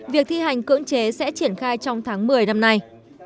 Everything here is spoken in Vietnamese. việc thi hành cưỡng chế sẽ triển khai trong tháng một mươi năm nay